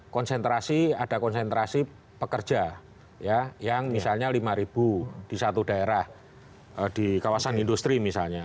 konsentrasi ada konsentrasi pekerja yang misalnya lima di satu daerah di kawasan industri misalnya